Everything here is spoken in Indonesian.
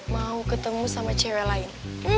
mau ketemu sama cewek lain